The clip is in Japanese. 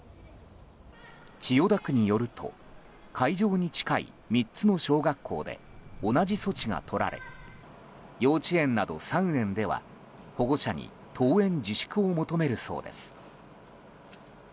千代田区によると会場に近い３つの小学校で同じ措置がとられ幼稚園など３園では保護者に登園自粛を求めるそうです。